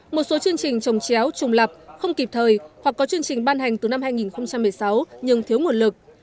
một số chương trình trồng chéo trùng lập không kịp thời hoặc có chương trình ban hành từ năm hai nghìn một mươi sáu nhưng thiếu nguồn lực